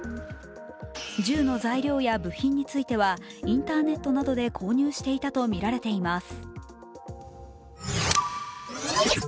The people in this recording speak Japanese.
銃の材料や部品についてはインターネットなどで購入していたとみられています。